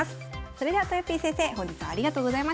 それではとよぴー先生本日はありがとうございました。